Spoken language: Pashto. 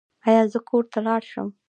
ایا زه کور ته لاړ شم؟